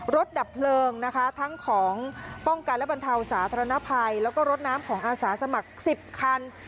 ดับเพลิงนะคะทั้งของป้องกันและบรรเทาสาธารณภัยแล้วก็รถน้ำของอาสาสมัคร๑๐คัน